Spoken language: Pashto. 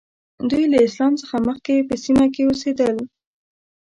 دوی له اسلام څخه مخکې په سیمه کې اوسېدل.